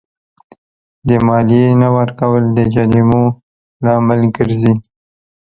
د مالیې نه ورکول د جریمو لامل ګرځي.